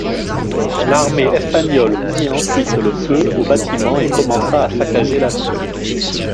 L'armée espagnole mit ensuite le feu aux bâtiments et commença à saccager la ville.